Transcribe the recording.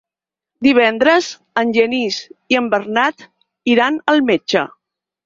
Divendres en Genís i en Bernat iran al metge.